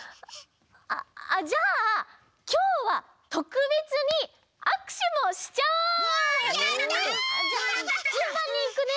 あじゃあきょうはとくべつにあくしゅもしちゃおう！やった！じゃあじゅんばんにいくね！